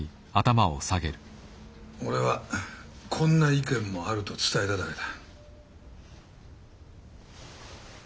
俺は「こんな意見もある」と伝えただけだ。